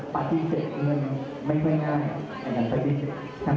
ผมเคยรีวิวสิ่งนี้หน่อยแต่ว่าผมไม่เคยออกการเรียน